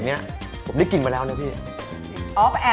เพราะฉะนั้นถ้าใครอยากทานเปรี้ยวเหมือนโป้แตก